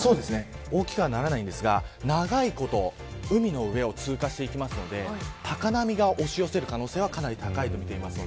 大きくはならないんですが長いこと海の上を通過していきますので高波が押し寄せる可能性は高いとみています。